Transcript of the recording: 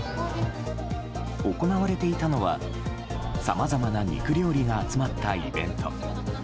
行われていたのはさまざまな肉料理が集まったイベント。